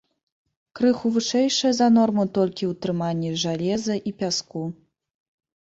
Крыху вышэйшае за норму толькі ўтрыманне жалеза і пяску.